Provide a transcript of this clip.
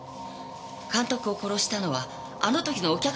監督を殺したのはあの時のお客の誰かよ。